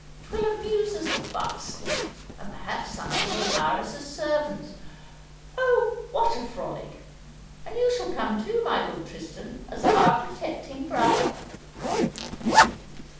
'Twill amuse us vastly, and perhaps someone will hire us as servants. Oh, what a frolic! And you shall come too, my good Tristan, as our protecting brother."